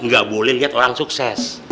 gak boleh lihat orang sukses